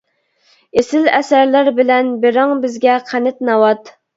ئېسىل ئەسەرلەر بىلەن، بېرىڭ بىزگە قەنت-ناۋات.